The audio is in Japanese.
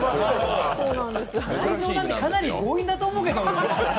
かなり強引だと思うけど。